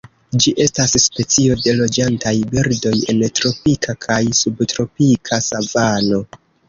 Ĝi estas specio de loĝantaj birdoj en tropika kaj subtropika savano.